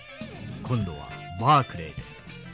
今度はバークレイで。